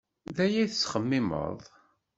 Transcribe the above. D aya ay tettxemmimeḍ.